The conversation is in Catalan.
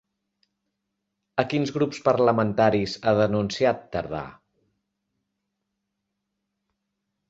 A quins grups parlamentaris ha denunciat Tardà?